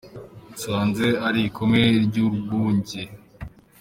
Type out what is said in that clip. Nsanze ari ikome ry’urwunge